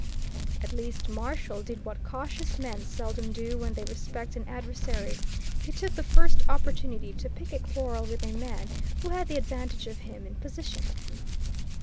At least Marshall did what cautious men seldom do when they respect an adversary, he took the first opportunity to pick a quarrel with a man who had the advantage of him in position.